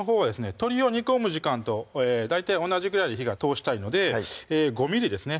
鶏を煮込む時間と大体同じぐらい火が通したいので５ｍｍですね